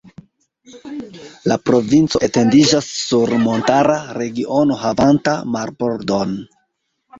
La provinco etendiĝas sur montara regiono havanta marbordon.